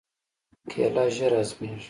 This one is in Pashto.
کېله ژر هضمېږي.